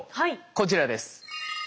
こちらです。